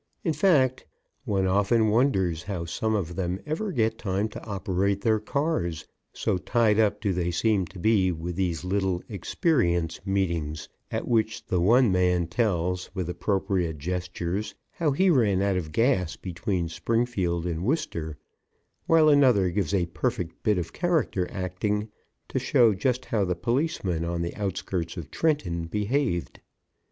In fact, one often wonders how some of them ever get time to operate their cars, so tied up do they seem to be with these little experience meetings, at which one man tells, with appropriate gestures, how he ran out of gas between Springfield and Worcester, while another gives a perfect bit of character acting to show just how the policeman on the outskirts of Trenton behaved.